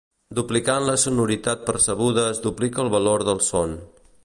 Duplicant la sonoritat percebuda es duplica el valor del son.